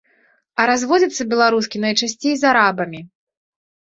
А разводзяцца беларускі найчасцей з арабамі.